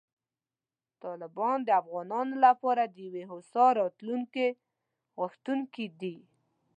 طالبان د افغانانو لپاره د یوې هوسا راتلونکې غوښتونکي دي.